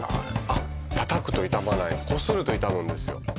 あっ叩くと傷まないこすると傷むんですよ